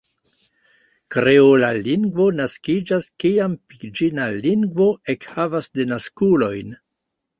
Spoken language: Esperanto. Kreola lingvo naskiĝas kiam piĝina lingvo ekhavas denaskulojn.